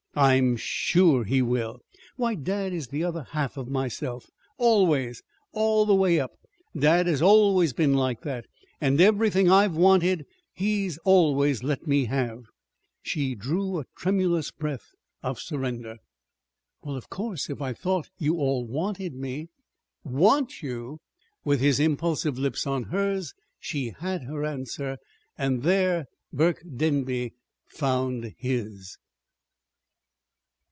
"I'm sure he will. Why, dad is the other half of myself. Always, all the way up, dad has been like that. And everything I've wanted, he's always let me have." She drew a tremulous breath of surrender. "Well, of course, if I thought you all wanted me " "Want you!" With his impulsive lips on hers she had her answer, and there Burke Denby found his.